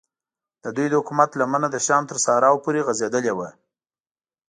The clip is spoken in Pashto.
ددوی د حکومت لمنه د شام تر صحراو پورې غځېدلې وه.